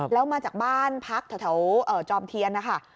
แล้วมาจากบ้านพักแถวจอมเทียนนะคะ